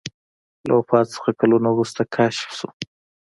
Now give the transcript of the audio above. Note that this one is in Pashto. له وفات څخه کلونه وروسته کشف شو.